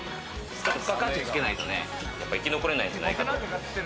付加価値とつけないとね、生き残れないんじゃないかと。